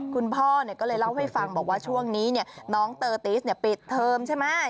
คุณพ่อก็เลยเล่าให้ฟังบอกว่าช่วงนี้น้องเตอร์ติสปิดเทอมใช่ไหม